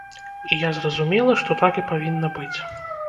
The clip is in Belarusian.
І я зразумела, што так і павінна быць.